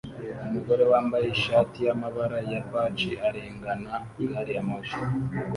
Umugore wambaye ishati yamabara ya pach arengana gari ya moshi